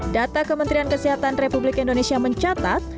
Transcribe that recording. data kementerian kesehatan republik indonesia mencatat